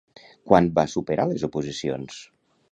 Quan va superar les oposicions?